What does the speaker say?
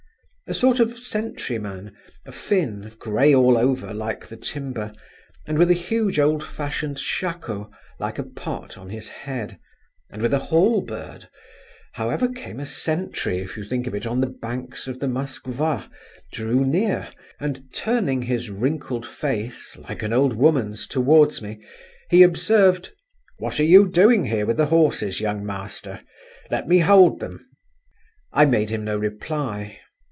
A sort of sentry man, a Fin, grey all over like the timber, and with a huge old fashioned shako, like a pot, on his head, and with a halberd (and how ever came a sentry, if you think of it, on the banks of the Moskva!) drew near, and turning his wrinkled face, like an old woman's, towards me, he observed, "What are you doing here with the horses, young master? Let me hold them." I made him no reply.